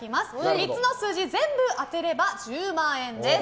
３つの数字全部当てれば１０万円です。